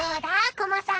コマさん！